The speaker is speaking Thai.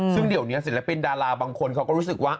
ซึ่งเดี๋ยวนี้ศิลปินดาราบางคนเขาก็รู้สึกว่า